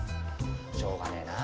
しょうがねえな。